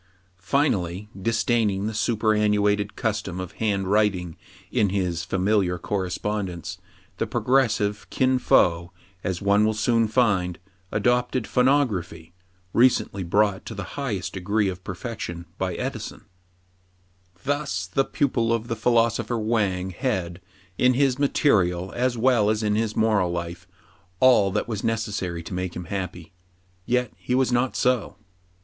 Final ly, disdaining the superannuated custom of hand writing in his familiar correspondence, the pro gressive Kin Fo, as one will soon find, adopted phonography, recently brought to the highest de gree of perfection by Edison^ 42 TRIBULATIONS OF A CHINAMAN, Thus the pupil of the philosopher Wang had, in his material as well as in his moral life, all that was necessary to make him happy ; yet he was not so